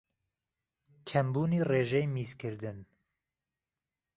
کەمبوونی رێژەی میزکردن